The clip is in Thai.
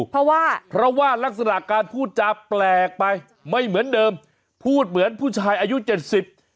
เพราะว่าเพราะว่ารักษณะการพูดจาแปลกไปไม่เหมือนเดิมพูดเหมือนผู้ชายอายุเจ็ดสิบ